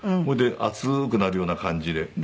それで熱くなるような感じで。